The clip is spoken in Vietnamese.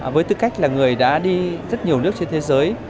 với tư cách là người đã đi rất nhiều nước trên thế giới